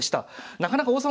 なかなか王様